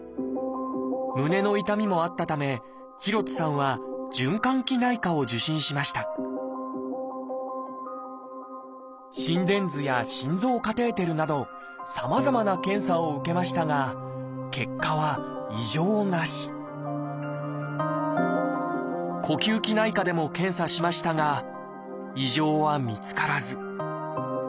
胸の痛みもあったため廣津さんは循環器内科を受診しました心電図や心臓カテーテルなどさまざまな検査を受けましたが結果は呼吸器内科でも検査しましたが異常は見つからず。